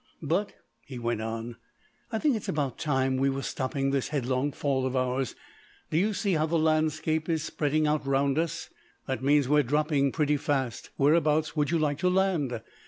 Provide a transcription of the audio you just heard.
"But," he went on, "I think it's about time we were stopping this headlong fall of ours. Do you see how the landscape is spreading out round us? That means that we are dropping pretty fast. Whereabouts would you like to land?